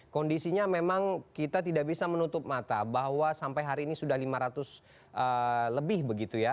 kondisinya memang kita tidak bisa menutup mata bahwa sampai hari ini sudah lima ratus lebih begitu ya